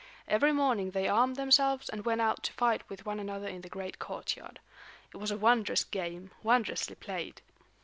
Every morning they armed themselves and went out to fight with one another in the great courtyard. It was a wondrous game, wondrously played.